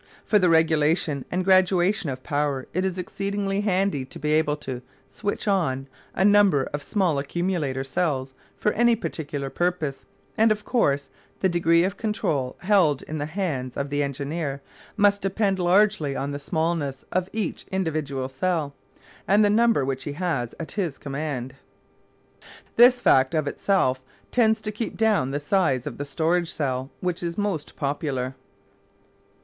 For the regulation and graduation of power it is exceedingly handy to be able to "switch on" a number of small accumulator cells for any particular purpose; and, of course, the degree of control held in the hands of the engineer must depend largely on the smallness of each individual cell, and the number which he has at command. This fact of itself tends to keep down the size of the storage cell which is most popular.